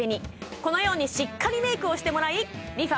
このようにしっかりメイクをしてもらいＲｅＦａ